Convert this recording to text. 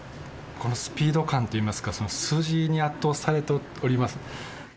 このスピード感といいますか、その数字に圧倒されております。